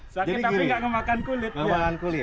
sakit tapi nggak kemakan kulit